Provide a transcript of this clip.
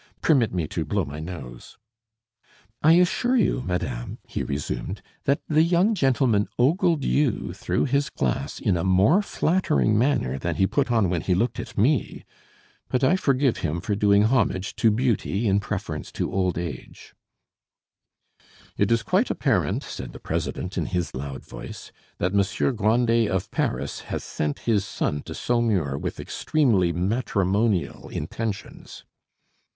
Permit me to blow my nose. I assure you, madame," he resumed, "that the young gentleman ogled you through his glass in a more flattering manner than he put on when he looked at me; but I forgive him for doing homage to beauty in preference to old age " "It is quite apparent," said the president in his loud voice, "that Monsieur Grandet of Paris has sent his son to Saumur with extremely matrimonial intentions."